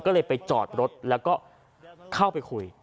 ก็เลยไปจอดรถแล้วก็เข้าไปคุย